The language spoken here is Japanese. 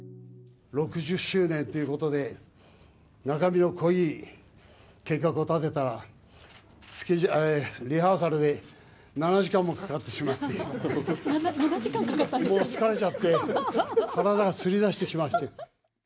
６０周年ということで、中身の濃い計画を立てたら、リハーサルで７時間もかかってしまって、もう疲れちゃって、体がつりだしてきまして。